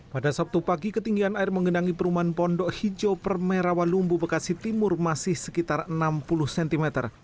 pada sabtu pagi ketinggian air mengenangi perumahan pondok hijau permera walumbu bekasi timur masih sekitar enam puluh cm